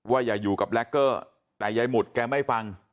อย่าอยู่กับแล็กเกอร์แต่ยายหมุดแกไม่ฟัง